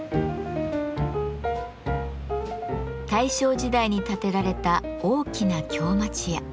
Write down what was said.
大正時代に建てられた大きな京町家。